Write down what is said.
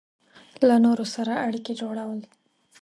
له نورو سره اړیکې جوړول